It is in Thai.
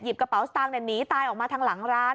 กระเป๋าสตางค์หนีตายออกมาทางหลังร้าน